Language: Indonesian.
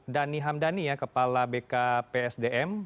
dhani hamdani ya kepala bkpsdm